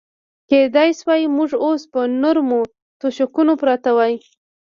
کېدای شوای موږ اوس پر نرمو تشکونو پراته وای.